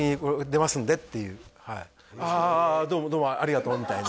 「ああどうもどうもありがとう」みたいな